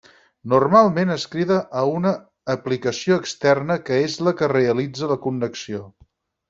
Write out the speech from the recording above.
Normalment es crida a una aplicació externa que és la que realitza la connexió.